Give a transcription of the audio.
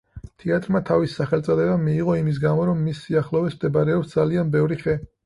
თეატრმა თავისი სახელწოდება მიიღო იმის გამო, რომ მის სიახლოვეს მდებარეობს ძალიან ბევრი ხე.